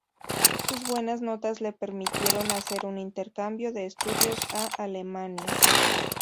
Sus buenas notas le permitieron hacer un intercambio de estudios a Alemania.